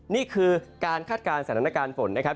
นี่คือการคาดการณ์สถานการณ์ฝนนะครับ